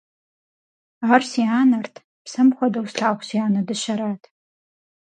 Ар си анэрт, псэм хуэдэу слъагъу си анэ дыщэрат.